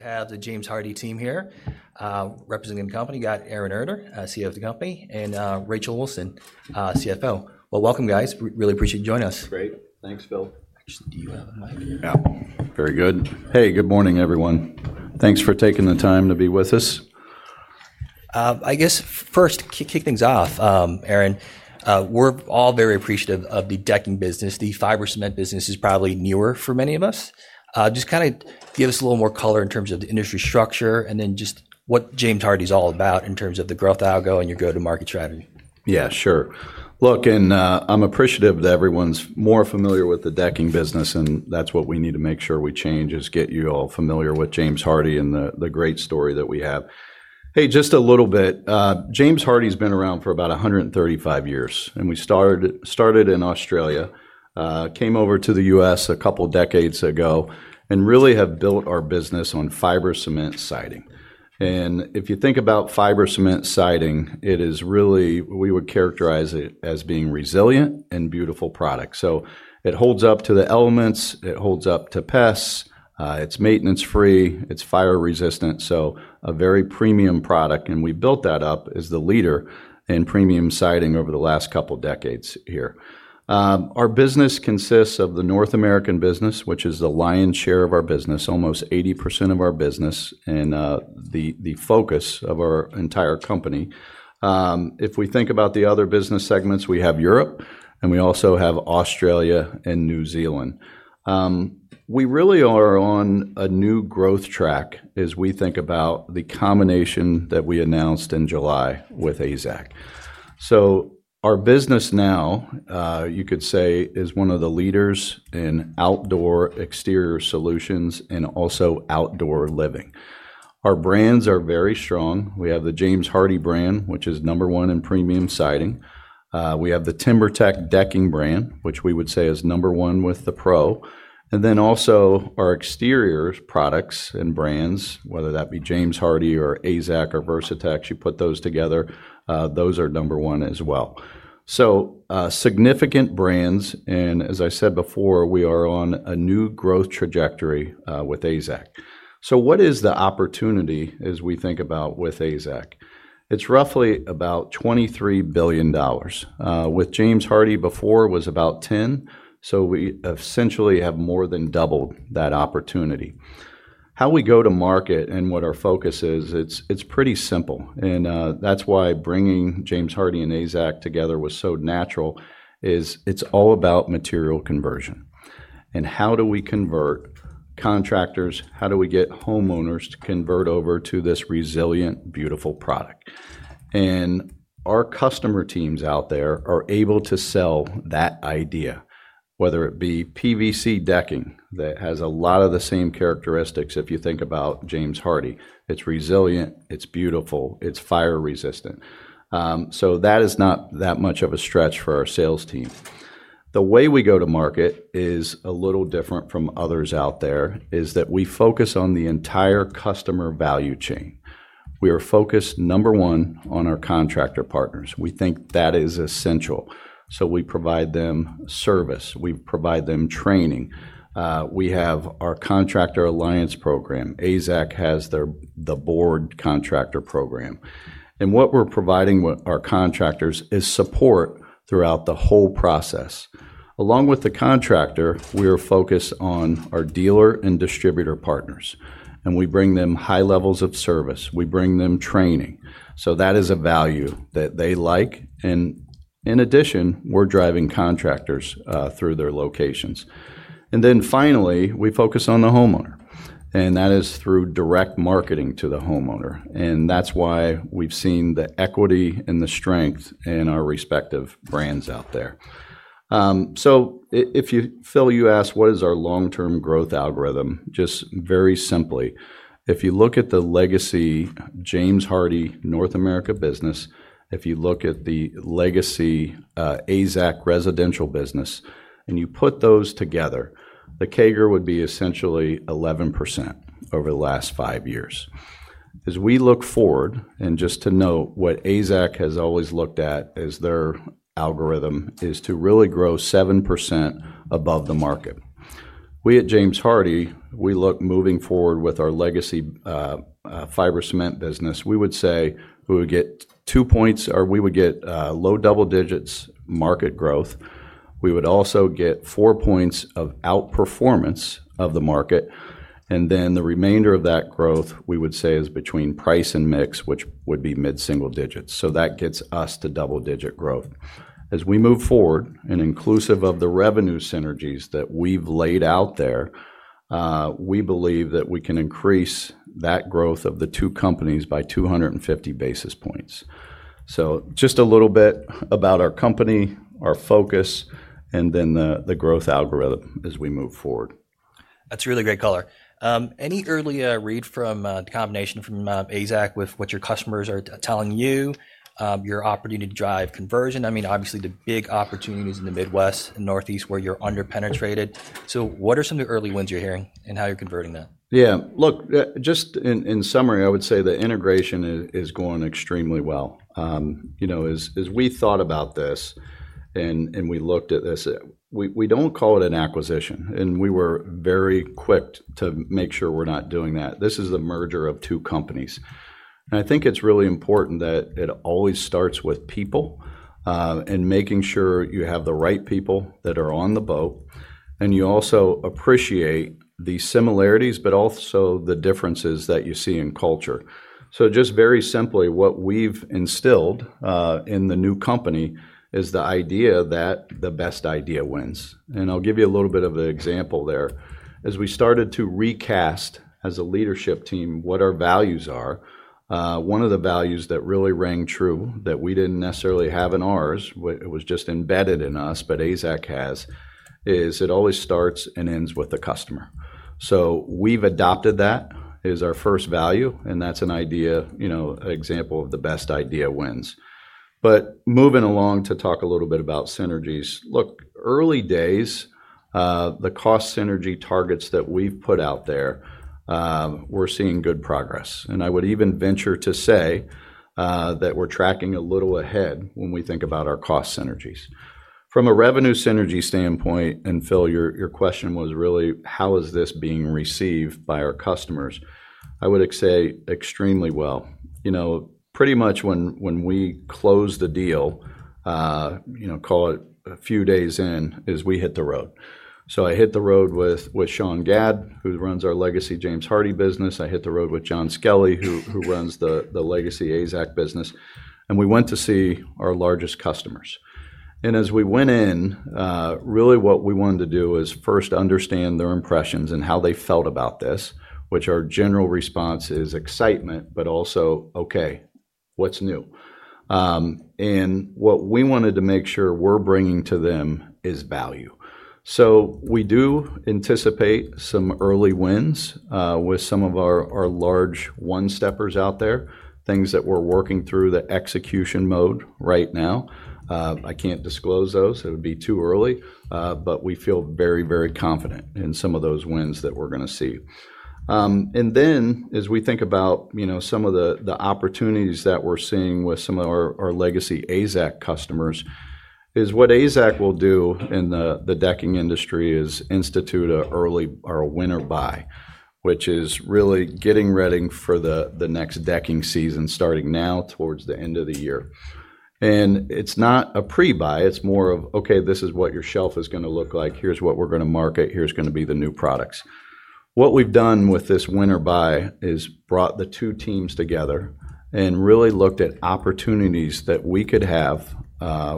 Have the James Hardie team here, representing the company. We got Aaron Erter, CEO of the company, and Rachel Wilson, CFO. We really appreciate you joining us. Great. Thanks, Phil. Do you have a mic? Yeah. Very good. Hey, good morning everyone. Thanks for taking the time to be with us. I guess first to kick things off, Aaron, we're all very appreciative of the decking business. The fiber cement business is probably newer for many of us. Just kind of give us a little more color in terms of the industry structure and then just what James Hardie is all about in terms of the growth algorithm and your go-to-market strategy. Yeah, sure. Look, I'm appreciative that everyone's more familiar with the decking business, and that's what we need to make sure we change is get you all familiar with James Hardie and the great story that we have. Hey, just a little bit. James Hardie's been around for about 135 years, and we started in Australia, came over to the U.S. a couple of decades ago, and really have built our business on fiber cement siding. If you think about fiber cement siding, it is really, we would characterize it as being a resilient and beautiful product. It holds up to the elements, it holds up to pests, it's maintenance-free, it's fire-resistant. A very premium product, and we built that up as the leader in premium siding over the last couple of decades here. Our business consists of the North American business, which is the lion's share of our business $5 millio-$6 million, almost 80% of our business, and the focus of our entire company. If we think about the other business segments, we have Europe, and we also have Australia and New Zealand. We really are on a new growth track as we think about the combination that we announced in July with AZEK. Our business now, you could say, is one of the leaders in outdoor exterior solutions and also outdoor living. Our brands are very strong. We have the James Hardie brand, which is number one in premium siding. We have the TimberTech decking brand, which we would say is number one with the pro. Also, our exterior products and brands, whether that be James Hardie or AZEK or Versatex, you put those together, those are number one as well. Significant brands, and as I said before, we are on a new growth trajectory with AZEK. What is the opportunity as we think about with AZEK? It's roughly about $23 billion. With James Hardie before, it was about $10 billion. We essentially have more than doubled that opportunity. How we go to market and what our focus is, it's pretty simple. That's why bringing James Hardie and AZEK together was so natural, it's all about material conversion. How do we convert contractors? How do we get homeowners to convert over to this resilient, beautiful product? Our customer teams out there are able to sell that idea, whether it be PVC decking that has a lot of the same characteristics. If you think about James Hardie, it's resilient, it's beautiful, it's fire-resistant. That is not that much of a stretch for our sales team. The way we go to market is a little different from others out there, is that we focus on the entire customer value chain. We are focused, number one, on our contractor partners. We think that is essential. We provide them service, we provide them training. We have our contractor alliance program. AZEK has the board contractor program. What we're providing with our contractors is support throughout the whole process. Along with the contractor, we are focused on our dealer and distributor partners. We bring them high levels of service. We bring them training. That is a value that they like. In addition, we're driving contractors through their locations. Finally, we focus on the homeowner, and that is through direct marketing to the homeowner. That's why we've seen the equity and the strength in our respective brands out there. Phil, you asked what is our long-term growth algorithm. Just very simply, if you look at the legacy James Hardie North America business, if you look at the legacy AZEK residential business, and you put those together, the CAGR would be essentially 11% over the last five years. As we look forward, and just to note, what AZEK has always looked at as their algorithm is to really grow 7% above the market. We at James Hardie, we look moving forward with our legacy fiber cement business. We would say we would get two points, or we would get low double digits market growth. We would also get four points of outperformance of the market. The remainder of that growth, we would say, is between price and mix, which would be mid-single digits. That gets us to double-digit growth. As we move forward, and inclusive of the revenue synergies that we've laid out there, we believe that we can increase that growth of the two companies by 250 basis points. Just a little bit about our company, our focus, and then the growth algorithm as we move forward. That's really great color. Any early read from the combination with AZEK, what your customers are telling you, your opportunity to drive conversion? I mean, obviously the big opportunities are in the Midwest and Northeast where you're underpenetrated. What are some of the early wins you're hearing and how you're converting that? Yeah, look, just in summary, I would say the integration is going extremely well. As we thought about this and we looked at this, we don't call it an acquisition, and we were very quick to make sure we're not doing that. This is a merger of two companies. I think it's really important that it always starts with people, and making sure you have the right people that are on the boat. You also appreciate the similarities, but also the differences that you see in culture. Just very simply, what we've instilled in the new company is the idea that the best idea wins. I'll give you a little bit of an example there. As we started to recast as a leadership team what our values are, one of the values that really rang true that we didn't necessarily have in ours, it was just embedded in us, but AZEK has, is it always starts and ends with the customer. We've adopted that as our first value, and that's an example of the best idea wins. Moving along to talk a little bit about synergies, early days, the cost synergy targets that we've put out there, we're seeing good progress. I would even venture to say that we're tracking a little ahead when we think about our cost synergies. From a revenue synergy standpoint, and Phil, your question was really how is this being received by our customers? I would say extremely well. Pretty much when we closed the deal, call it a few days in, we hit the road. I hit the road with Sean Gadd, who runs our legacy James Hardie business. I hit the road with Jon Skelly, who runs the legacy AZEK business. We went to see our largest customers. As we went in, what we wanted to do is first understand their impressions and how they felt about this, which our general response is excitement, but also, okay, what's new? What we wanted to make sure we're bringing to them is value. We do anticipate some early wins with some of our large one-steppers out there, things that we're working through the execution mode right now. I can't disclose those. It would be too early, but we feel very, very confident in some of those wins that we're going to see. As we think about some of the opportunities that we're seeing with some of our legacy AZEK customers, what AZEK will do in the decking industry is institute an early or winner buy, which is really getting ready for the next decking season starting now towards the end of the year. It's not a pre-buy, it's more of, okay, this is what your shelf is going to look like, here's what we're going to market, here's going to be the new products. What we've done with this winner buy is brought the two teams together and really looked at opportunities that we could have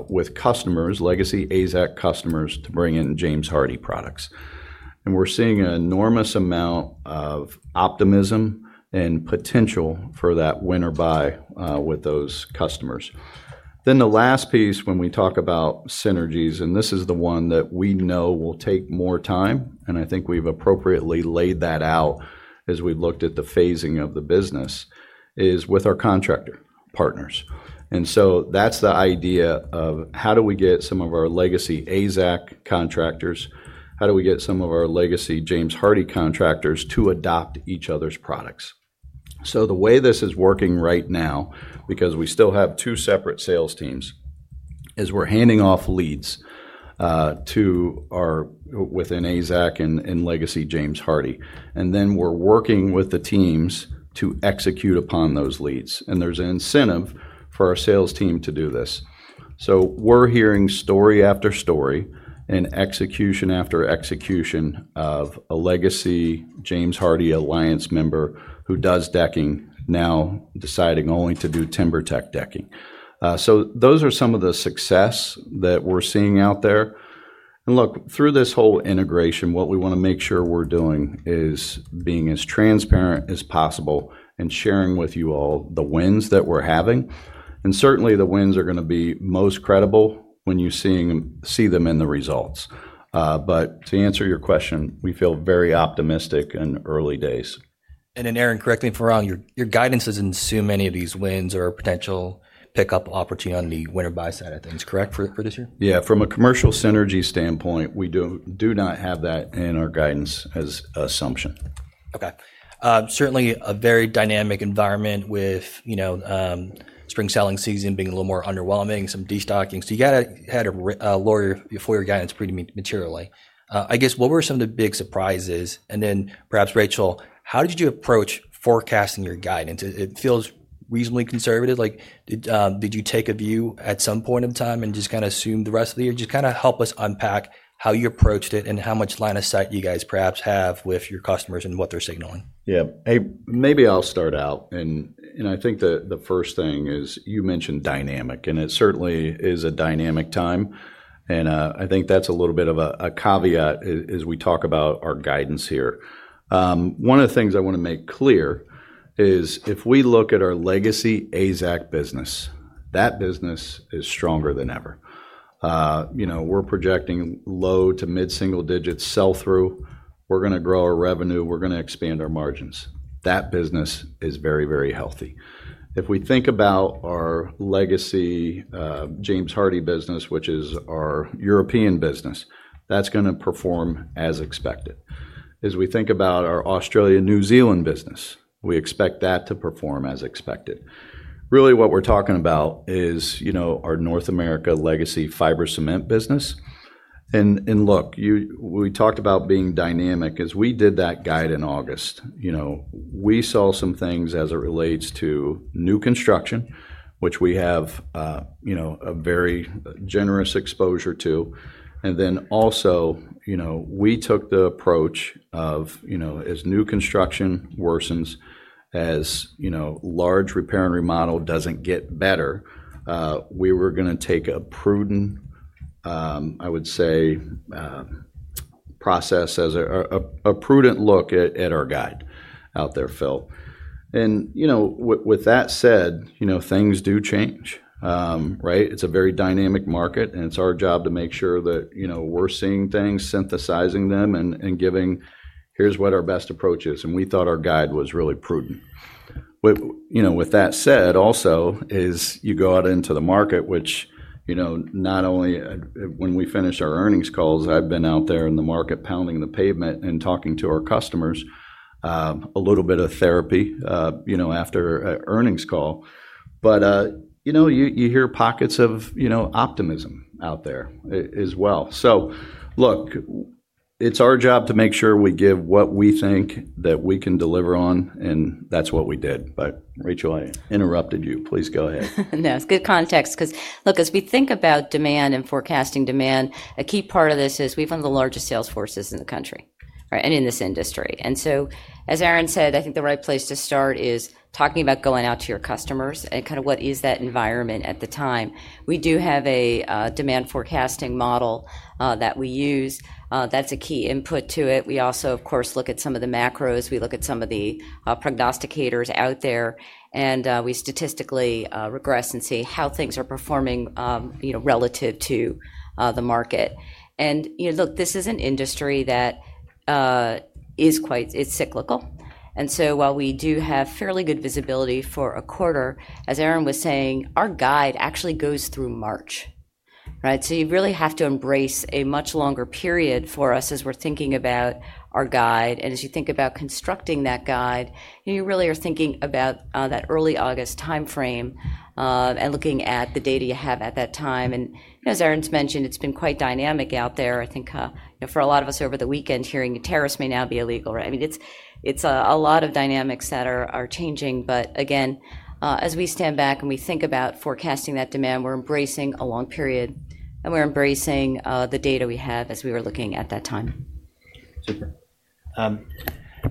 with customers, legacy AZEK customers, to bring in James Hardie products. We're seeing an enormous amount of optimism and potential for that winner buy with those customers. The last piece when we talk about synergies, and this is the one that we know will take more time, and I think we've appropriately laid that out as we've looked at the phasing of the business, is with our contractor partners. That's the idea of how do we get some of our legacy AZEK contractors, how do we get some of our legacy James Hardie contractors to adopt each other's products. The way this is working right now, because we still have two separate sales teams, is we're handing off leads within AZEK and legacy James Hardie. We're working with the teams to execute upon those leads, and there's an incentive for our sales team to do this. We're hearing story after story and execution after execution of a legacy James Hardie alliance member who does decking, now deciding only to do TimberTech decking. Those are some of the success that we're seeing out there. Through this whole integration, what we want to make sure we're doing is being as transparent as possible and sharing with you all the wins that we're having. Certainly, the wins are going to be most credible when you see them in the results. To answer your question, we feel very optimistic in early days. Aaron, correct me if I'm wrong, your guidance is in so many of these wins or potential pickup opportunity on the winner buy side of things, correct, for this year? Yeah, from a commercial synergy standpoint, we do not have that in our guidance as an assumption. Okay. Certainly a very dynamic environment with, you know, spring selling season being a little more underwhelming and some destocking. You had to lower your guidance pretty materially. I guess what were some of the big surprises? Perhaps, Rachel, how did you approach forecasting your guidance? It feels reasonably conservative. Did you take a view at some point in time and just kind of assume the rest of the year? Help us unpack how you approached it and how much line of sight you guys perhaps have with your customers and what they're signaling. Yeah, hey, maybe I'll start out. I think the first thing is you mentioned dynamic, and it certainly is a dynamic time. I think that's a little bit of a caveat as we talk about our guidance here. One of the things I want to make clear is if we look at our legacy AZEK business, that business is stronger than ever. You know, we're projecting low to mid-single digits sell-through. We're going to grow our revenue. We're going to expand our margins. That business is very, very healthy. If we think about our legacy James Hardie business, which is our European business, that's going to perform as expected. As we think about our Australia and New Zealand business, we expect that to perform as expected. Really what we're talking about is our North America legacy fiber cement business. We talked about being dynamic. As we did that guide in August, we saw some things as it relates to new construction, which we have a very generous exposure to. Also, we took the approach of, as new construction worsens, as large repair and remodel doesn't get better, we were going to take a prudent, I would say, process as a prudent look at our guide out there, Phil. With that said, things do change, right? It's a very dynamic market and it's our job to make sure that we're seeing things, synthesizing them and giving, here's what our best approach is. We thought our guide was really prudent. With that said, also, as you go out into the market, which, not only when we finish our earnings calls, I've been out there in the market pounding the pavement and talking to our customers, a little bit of therapy after an earnings call. You hear pockets of optimism out there as well. It's our job to make sure we give what we think that we can deliver on, and that's what we did. Rachel, I interrupted you. Please go ahead. No, it's good context because look, as we think about demand and forecasting demand, a key part of this is we've one of the largest sales forces in the country, right? And in this industry. As Aaron said, I think the right place to start is talking about going out to your customers and kind of what is that environment at the time. We do have a demand forecasting model that we use. That's a key input to it. We also, of course, look at some of the macros. We look at some of the prognosticators out there. We statistically regress and see how things are performing, you know, relative to the market. This is an industry that is quite, it's cyclical. While we do have fairly good visibility for a quarter, as Aaron was saying, our guide actually goes through March. Right? You really have to embrace a much longer period for us as we're thinking about our guide. As you think about constructing that guide, you really are thinking about that early August timeframe and looking at the data you have at that time. As Aaron's mentioned, it's been quite dynamic out there. I think for a lot of us over the weekend, hearing that terrace may now be illegal. Right? I mean, it's a lot of dynamics that are changing. Again, as we stand back and we think about forecasting that demand, we're embracing a long period and we're embracing the data we have as we were looking at that time.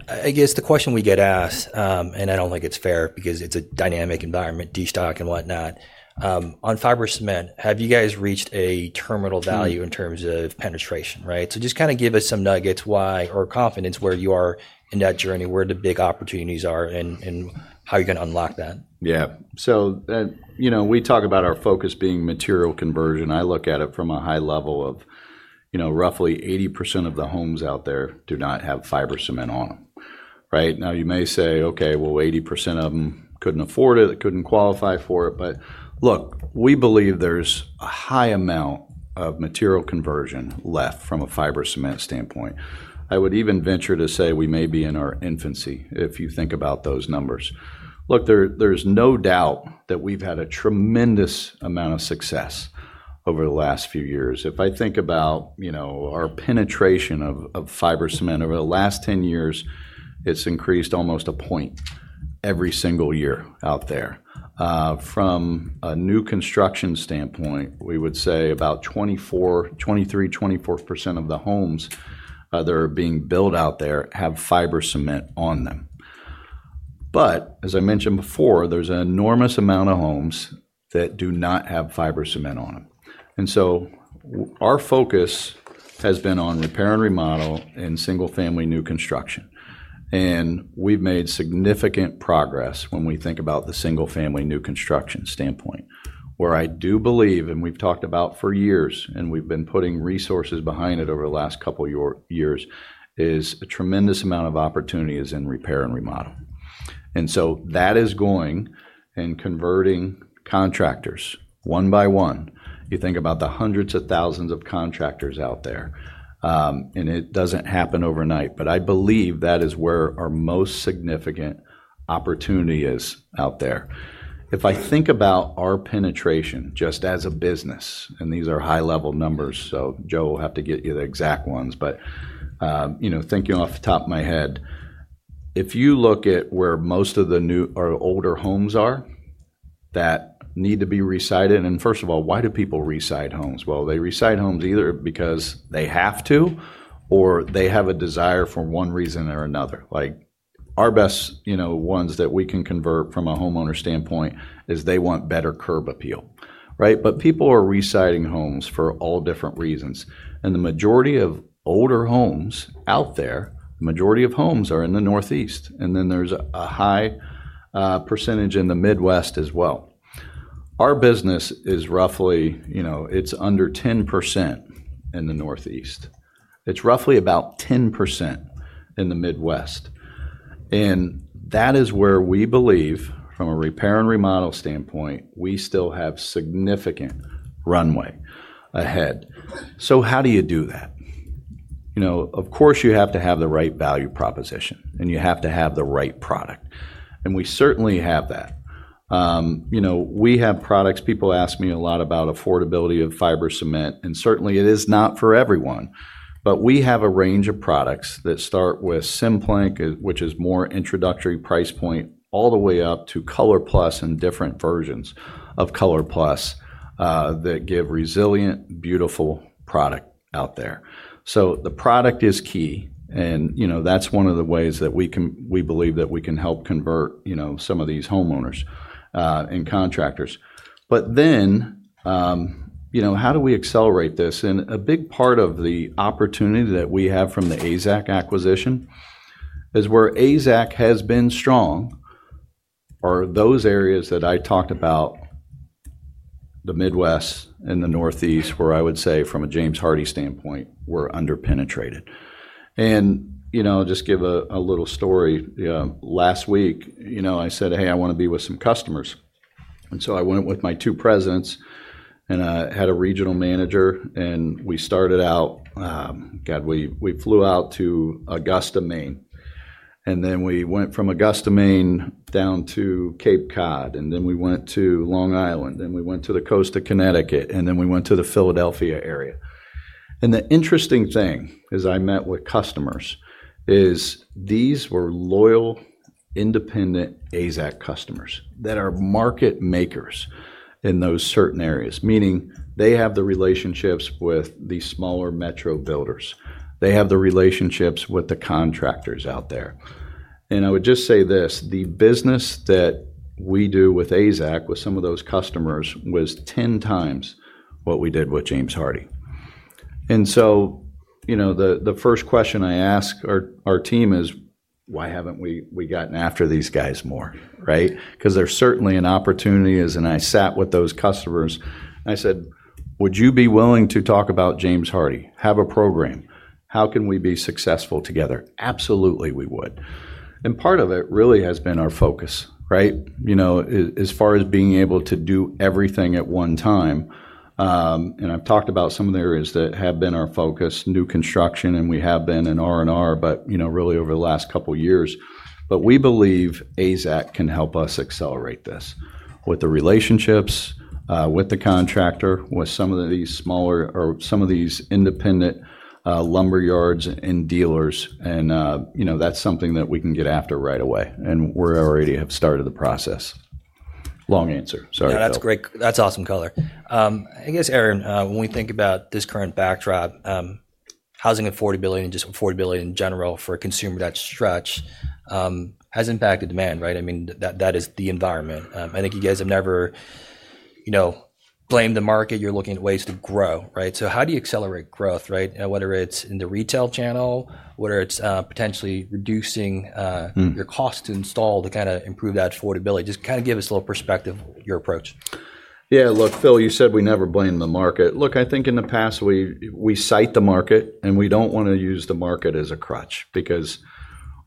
I guess the question we get asked, and I don't think it's fair because it's a dynamic environment, destock and whatnot, on fiber cement, have you guys reached a terminal value in terms of penetration, right? Just kind of give us some nuggets, why, or confidence where you are in that journey, where the big opportunities are, and how you're going to unlock that. Yeah. So, you know, we talk about our focus being material conversion. I look at it from a high level of, you know, roughly 80% of the homes out there do not have fiber cement on them. Right? Now you may say, okay, 80% of them couldn't afford it, couldn't qualify for it. Look, we believe there's a high amount of material conversion left from a fiber cement standpoint. I would even venture to say we may be in our infancy if you think about those numbers. There's no doubt that we've had a tremendous amount of success over the last few years. If I think about our penetration of fiber cement over the last 10 years, it's increased almost a point every single year out there. From a new construction standpoint, we would say about 23%, 24% of the homes that are being built out there have fiber cement on them. As I mentioned before, there's an enormous amount of homes that do not have fiber cement on them. Our focus has been on repair and remodel and single-family new construction. We've made significant progress when we think about the single-family new construction standpoint, where I do believe, and we've talked about for years, and we've been putting resources behind it over the last couple of years, a tremendous amount of opportunity is in repair and remodel. That is going and converting contractors one by one. You think about the hundreds of thousands of contractors out there. It doesn't happen overnight, but I believe that is where our most significant opportunity is out there. If I think about our penetration just as a business, and these are high-level numbers, so Joe will have to get you the exact ones, but, you know, thinking off the top of my head, if you look at where most of the new or older homes are that need to be resided, and first of all, why do people reside homes? They reside homes either because they have to, or they have a desire for one reason or another. Our best ones that we can convert from a homeowner standpoint is they want better curb appeal. Right? People are residing homes for all different reasons. The majority of older homes out there, the majority of homes are in the Northeast. Then there's a high percentage in the Midwest as well. Our business is roughly, you know, it's under 10% in the Northeast. It's roughly about 10% in the Midwest. That is where we believe, from a repair and remodel standpoint, we still have significant runway ahead. How do you do that? Of course, you have to have the right value proposition, and you have to have the right product. We certainly have that. We have products, people ask me a lot about affordability of fiber cement, and certainly it is not for everyone. We have a range of products that start with same Plank, which is more introductory price point, all the way up to ColorPlus and different versions of ColorPlus that give resilient, beautiful product out there. The product is key. That is one of the ways that we can, we believe that we can help convert some of these homeowners and contractors. How do we accelerate this? A big part of the opportunity that we have from the AZEK acquisition is where AZEK has been strong are those areas that I talked about, the Midwest and the Northeast, where I would say from a James Hardie standpoint, we're underpenetrated. I'll just give a little story. Last week, I said, "Hey, I want to be with some customers." I went with my two presidents and I had a regional manager, and we started out, we flew out to Augusta, Maine. We went from Augusta, Maine down to Cape Cod, then we went to Long Island, then we went to the coast of Connecticut, and then we went to the Philadelphia area. The interesting thing as I met with customers is these were loyal, independent AZEK customers that are market makers in those certain areas, meaning they have the relationships with the smaller metro builders. They have the relationships with the contractors out there. I would just say this, the business that we do with AZEK, with some of those customers, was 10x what we did with James Hardie. The first question I ask our team is, why haven't we gotten after these guys more, right? There is certainly an opportunity, as I sat with those customers, I said, would you be willing to talk about James Hardie? Have a program? How can we be successful together? Absolutely, we would. Part of it really has been our focus, right? As far as being able to do everything at one time, and I've talked about some of the areas that have been our focus, new construction, and we have been in R&R, but really over the last couple of years. We believe AZEK can help us accelerate this with the relationships with the contractor, with some of these smaller or some of these independent lumber yards and dealers. That's something that we can get after right away, and we already have started the process. Long answer. Sorry. No, that's great. That's awesome color. I guess, Aaron, when we think about this current backdrop, housing affordability and just affordability in general for a consumer that is stretched, has impacted demand, right? I mean, that is the environment. I think you guys have never, you know, blamed the market. You're looking at ways to grow, right? How do you accelerate growth, right? Whether it's in the retail channel or potentially reducing your costs installed to kind of improve that affordability, just kind of give us a little perspective of your approach. Yeah, look, Phil, you said we never blame the market. I think in the past we cite the market and we don't want to use the market as a crutch because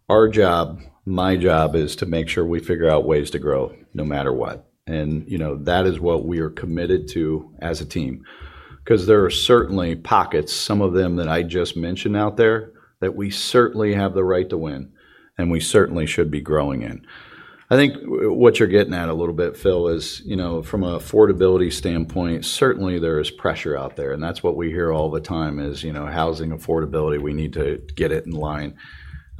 our job, my job is to make sure we figure out ways to grow no matter what. That is what we are committed to as a team. There are certainly pockets, some of them that I just mentioned out there, that we certainly have the right to win. We certainly should be growing in. I think what you're getting at a little bit, Phil, is, from an affordability standpoint, certainly there is pressure out there. That's what we hear all the time, housing affordability, we need to get it in line.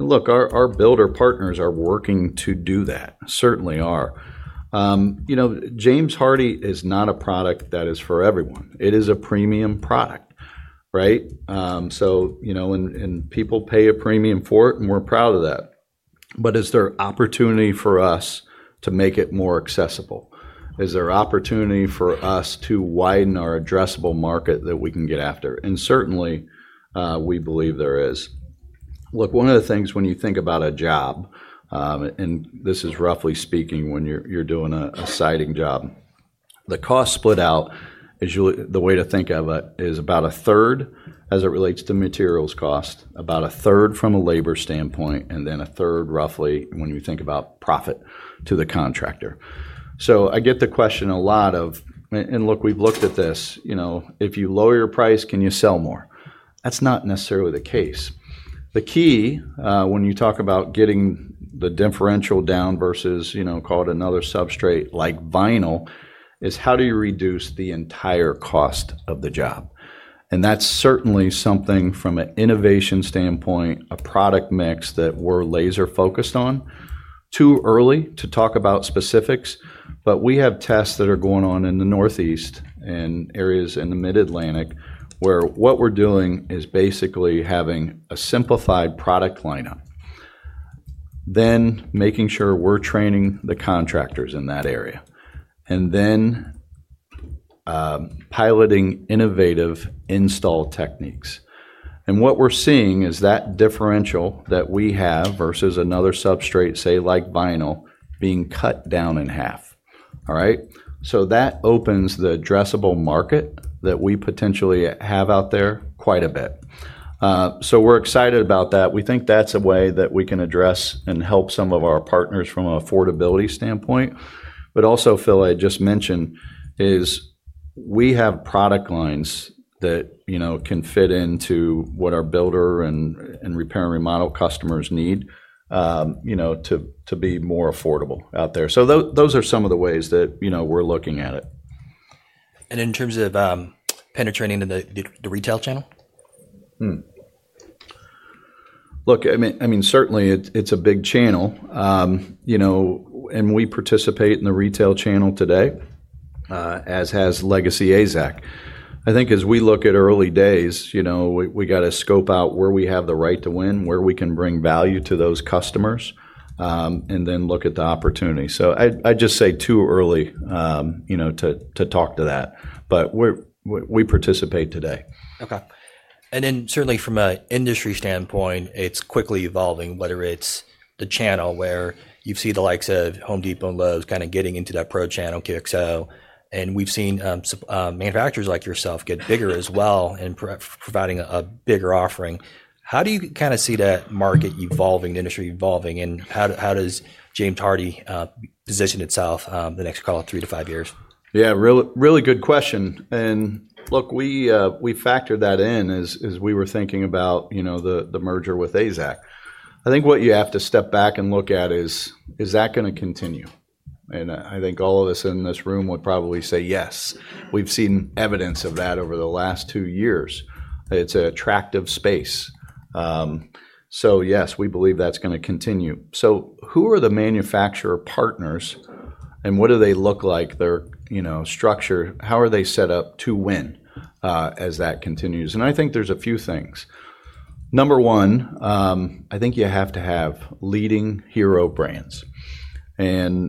Our builder partners are working to do that, certainly are. James Hardie is not a product that is for everyone. It is a premium product, right? People pay a premium for it, and we're proud of that. Is there opportunity for us to make it more accessible? Is there opportunity for us to widen our addressable market that we can get after? Certainly, we believe there is. One of the things when you think about a job, and this is roughly speaking when you're doing a siding job, the cost split out is usually the way to think of it is about a third as it relates to materials cost, about a third from a labor standpoint, and then a third roughly when we think about profit to the contractor. I get the question a lot of, if you lower your price, can you sell more? That's not necessarily the case. The key, when you talk about getting the differential down versus, call it another substrate like vinyl, is how do you reduce the entire cost of the job? That's certainly something from an innovation standpoint, a product mix that we're laser focused on. Too early to talk about specifics, but we have tests that are going on in the Northeast and areas in the Mid-Atlantic where what we're doing is basically having a simplified product lineup, then making sure we're training the contractors in that area, and then piloting innovative install techniques. What we're seeing is that differential that we have versus another substrate, say like vinyl, being cut down in half. That opens the addressable market that we potentially have out there quite a bit. We're excited about that. We think that's a way that we can address and help some of our partners from an affordability standpoint. Also, Phil, I just mentioned, we have product lines that can fit into what our builder and repair and remodel customers need to be more affordable out there. Those are some of the ways that we're looking at it. In terms of penetrating into the retail channel? Look, I mean, certainly it's a big channel. We participate in the retail channel today, as has legacy AZEK. I think as we look at early days, we have to scope out where we have the right to win, where we can bring value to those customers, and then look at the opportunity. I'd just say it's too early to talk to that. We participate today. Okay. Certainly from an industry standpoint, it's quickly evolving, whether it's the channel where you've seen the likes of Home Depot and Lowe's kind of getting into that pro channel to excel. We've seen manufacturers like yourself get bigger as well and providing a bigger offering. How do you kind of see that market evolving, the industry evolving, and how does James Hardie position itself the next, call it, three to five years? Really good question. We factored that in as we were thinking about the merger with AZEK. I think what you have to step back and look at is, is that going to continue? I think all of us in this room would probably say yes. We've seen evidence of that over the last two years. It's an attractive space, so yes, we believe that's going to continue. Who are the manufacturer partners and what do they look like, their structure, how are they set up to win as that continues? I think there's a few things. Number one, you have to have leading hero brands. As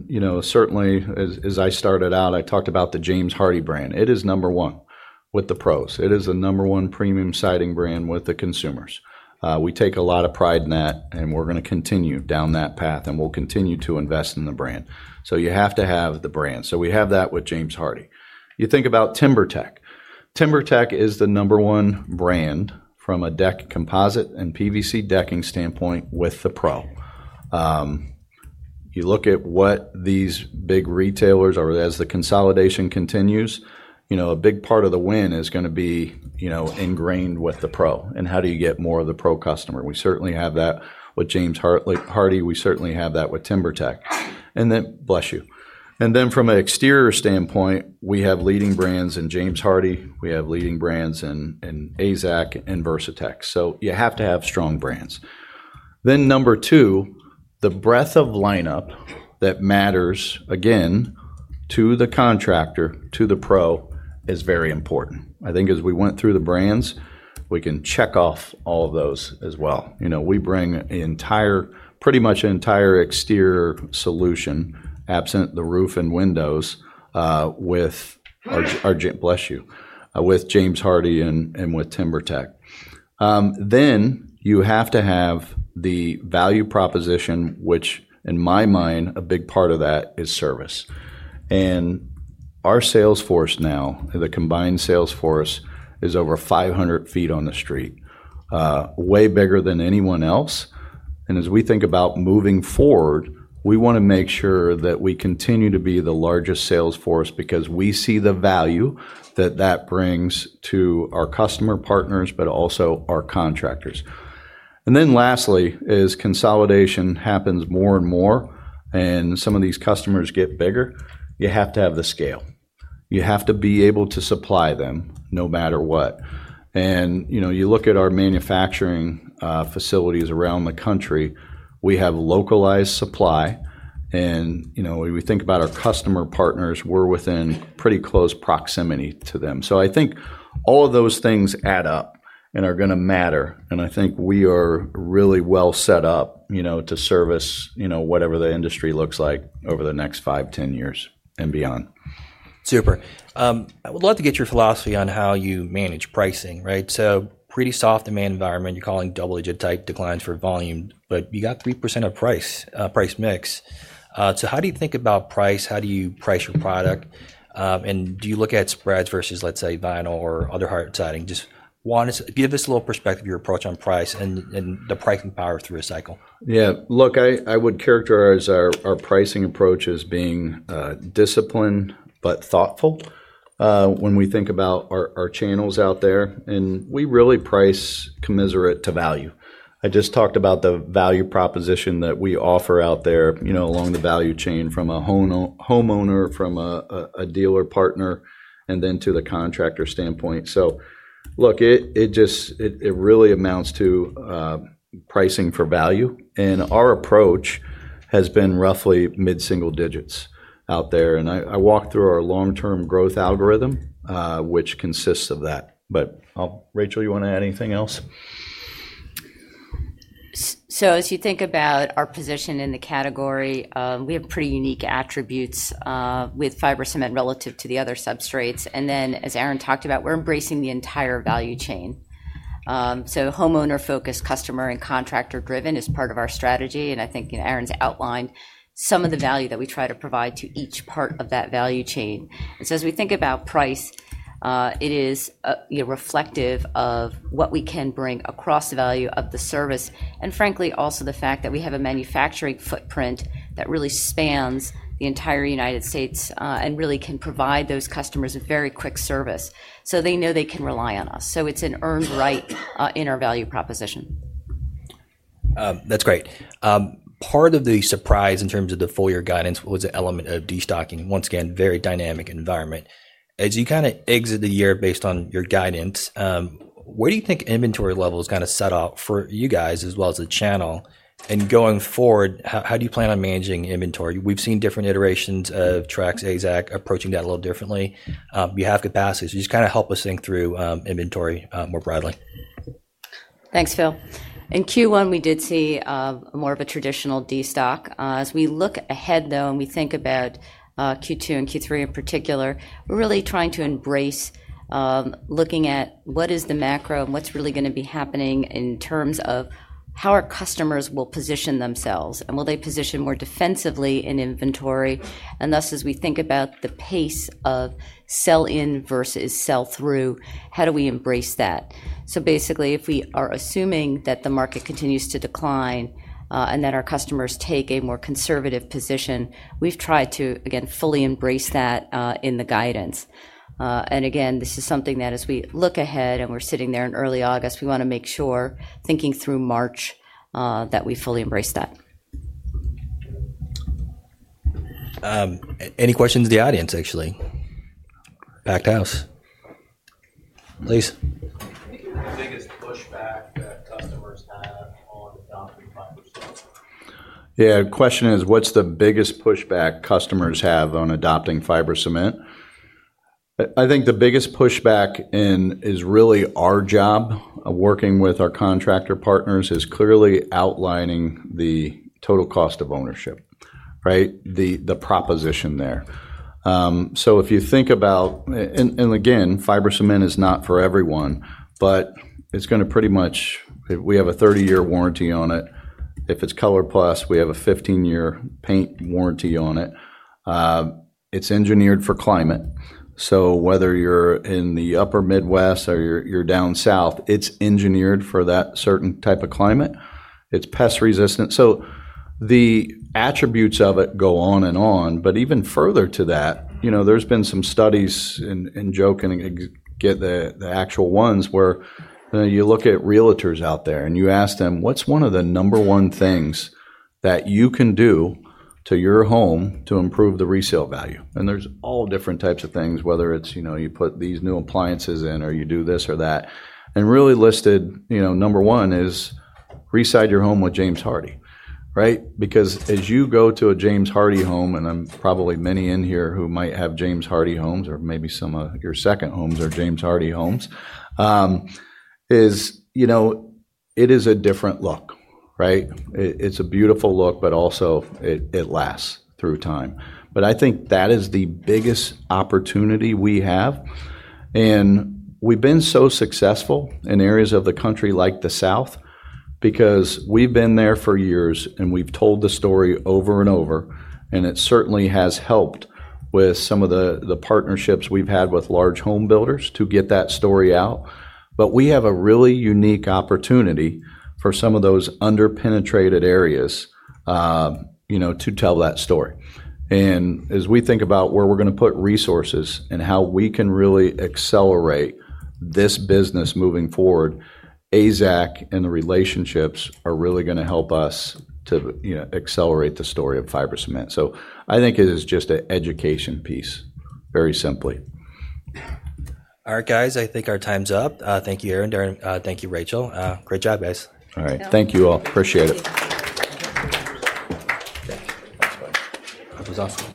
I started out, I talked about the James Hardie brand. It is number one with the pros. It is the number one premium siding brand with the consumers. We take a lot of pride in that, and we're going to continue down that path, and we'll continue to invest in the brand. You have to have the brand. We have that with James Hardie. You think about TimberTech. TimberTech is the number one brand from a deck composite and PVC decking standpoint with the pro. You look at what these big retailers are, as the consolidation continues, a big part of the win is going to be ingrained with the pro. How do you get more of the pro customer? We certainly have that with James Hardie. We certainly have that with TimberTech. Bless you. From an exterior standpoint, we have leading brands in James Hardie. We have leading brands in AZEK and Versatex. You have to have strong brands. Number two, the breadth of lineup that matters again to the contractor, to the pro, is very important. As we went through the brands, we can check off all of those as well. We bring pretty much an entire exterior solution, absent the roof and windows, with James Hardie and with TimberTech. You have to have the value proposition, which in my mind, a big part of that is service. Our sales force now, the combined sales force, is over 500 ft on the street, way bigger than anyone else. As we think about moving forward, we want to make sure that we continue to be the largest sales force because we see the value that brings to our customer partners, but also our contractors. Lastly, as consolidation happens more and more, and some of these customers get bigger, you have to have the scale. You have to be able to supply them no matter what. You look at our manufacturing facilities around the country, we have localized supply. We think about our customer partners, we're within pretty close proximity to them. I think all of those things add up and are going to matter. I think we are really well set up to service whatever the industry looks like over the next five, 10 years and beyond. Super. I would love to get your philosophy on how you manage pricing, right? Pretty soft demand environment, you're calling double-digit type declines for volume, but you got 3% of price, price mix. How do you think about price? How do you price your product? Do you look at spreads versus, let's say, vinyl or other hard siding? Just want to give us a little perspective of your approach on price and the pricing power through a cycle. Yeah, look, I would characterize our pricing approach as being disciplined but thoughtful. When we think about our channels out there, we really price commensurate to value. I just talked about the value proposition that we offer out there, you know, along the value chain from a homeowner, from a dealer partner, and then to the contractor standpoint. It really amounts to pricing for value. Our approach has been roughly mid-single digits out there. I walked through our long-term growth algorithm, which consists of that. Rachel, you want to add anything else? As you think about our position in the category, we have pretty unique attributes, with fiber cement relative to the other substrates. As Aaron talked about, we're embracing the entire value chain. Homeowner focused, customer and contractor driven is part of our strategy. I think Aaron's outlined some of the value that we try to provide to each part of that value chain. As we think about price, it is reflective of what we can bring across the value of the service. Frankly, also the fact that we have a manufacturing footprint that really spans the entire United States, and really can provide those customers a very quick service. They know they can rely on us. It's an earned right, in our value proposition. That's great. Part of the surprise in terms of the full year guidance was the element of destocking. Once again, very dynamic environment. As you exit the year based on your guidance, where do you think inventory levels set off for you guys as well as the channel? Going forward, how do you plan on managing inventory? We've seen different iterations of Trex, AZEK approaching that a little differently. You have capacity. Just help us think through inventory more broadly. Thanks, Phil. In Q1, we did see more of a traditional destock. As we look ahead, though, and we think about Q2 and Q3 in particular, we're really trying to embrace looking at what is the macro and what's really going to be happening in terms of how our customers will position themselves. Will they position more defensively in inventory? As we think about the pace of sell-in versus sell-through, how do we embrace that? Basically, if we are assuming that the market continues to decline, and that our customers take a more conservative position, we've tried to, again, fully embrace that in the guidance. Again, this is something that as we look ahead and we're sitting there in early August, we want to make sure, thinking through March, that we fully embrace that. Any questions to the audience, actually? Packed house. Please. Yeah, the question is, what's the biggest pushback customers have on adopting fiber cement? I think the biggest pushback is really our job of working with our contractor partners is clearly outlining the total cost of ownership, right? The proposition there. If you think about, and again, fiber cement is not for everyone, but it's going to pretty much, we have a 30-year warranty on it. If it's ColorPlus we have a 15-year paint warranty on it. It's engineered for climate. Whether you're in the upper Midwest or you're down south, it's engineered for that certain type of climate. It's pest resistant. The attributes of it go on and on, but even further to that, there's been some studies where you look at realtors out there and you ask them, what's one of the number one things that you can do to your home to improve the resale value? There's all different types of things, whether it's, you know, you put these new appliances in or you do this or that. Really listed, number one is reside your home with James Hardie, right? As you go to a James Hardie home, and I'm probably many in here who might have James Hardie homes or maybe some of your second homes are James Hardie homes, it is a different look, right? It's a beautiful look, but also it lasts through time. I think that is the biggest opportunity we have. We've been so successful in areas of the country like the South because we've been there for years and we've told the story over and over. It certainly has helped with some of the partnerships we've had with large home builders to get that story out. We have a really unique opportunity for some of those underpenetrated areas to tell that story. As we think about where we're going to put resources and how we can really accelerate this business moving forward, AZEK and the relationships are really going to help us to accelerate the story of fiber cement. I think it is just an education piece, very simply. All right, guys, I think our time's up. Thank you, Aaron. Thank you, Rachel. Great job, guys. All right, thank you all. Appreciate it. Thanks. That was awesome.